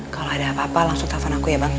kalau ada apa apa langsung telpon aku ya bang